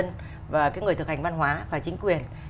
người thực hành văn hóa và chính quyền